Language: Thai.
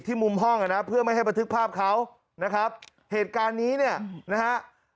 มุมห้องอ่ะนะเพื่อไม่ให้บันทึกภาพเขานะครับเหตุการณ์นี้เนี่ยนะฮะ